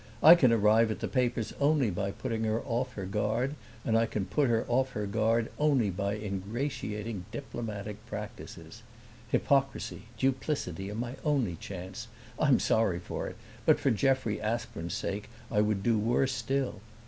I can arrive at the papers only by putting her off her guard, and I can put her off her guard only by ingratiating diplomatic practices. Hypocrisy, duplicity are my only chance. I am sorry for it, but for Jeffrey Aspern's sake I would do worse still.